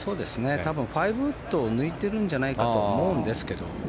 多分５ウッドを抜いてるんじゃないかと思うんですけど。